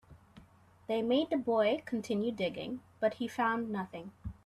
They made the boy continue digging, but he found nothing.